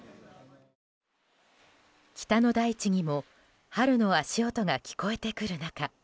北の大地にも春の足音が聞こえてくる中